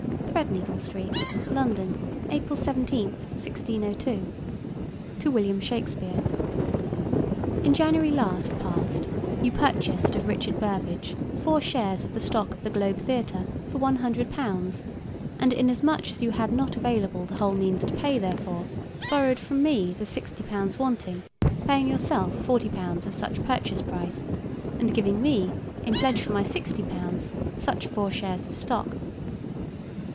THREADNEEDLE STREET, LONDON, April 17, 1602. To WILLIAM SHAKESPEARE: In January last past you purchased of Richard Burbage four shares of the stock of the Globe Theatre for £100, and inasmuch as you had not available the whole means to pay therefor, borrowed from me the £60 wanting, paying yourself £40 of such purchase price, and giving me in pledge for my £60 such four shares of stock.